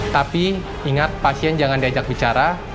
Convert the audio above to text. tapi ingat pasien jangan diajak bicara